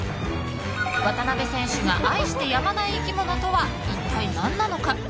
渡辺選手が愛してやまない生き物とはいったい何なのか。